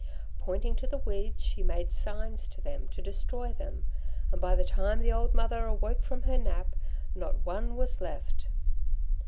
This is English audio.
Pointing to the weeds, she made signs to them to destroy them, and by the time the old mother awoke from her nap, not one was left behind.